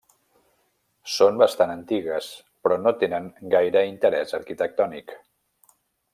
Són bastant antigues, però no tenen gaire interès arquitectònic.